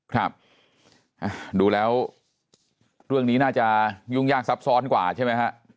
ครับดูแล้วเรื่องนี้น่าจะยุ่งยากซับซ้อนกว่าใช่ไหมฮะ